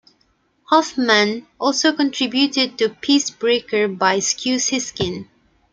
Hoffmann also contributed to "Peace Breaker" by Skew Siskin.